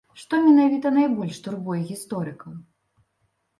Што менавіта найбольш турбуе гісторыкаў?